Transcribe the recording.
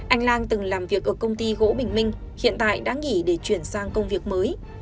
anh lang từng làm việc ở công ty gỗ bình minh hiện tại đã nghỉ để chuyển sang công việc mới